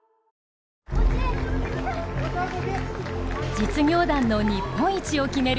実業団の日本一を決める